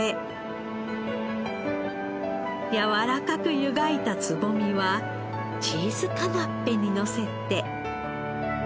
やわらかく湯がいたつぼみはチーズカナッペにのせて。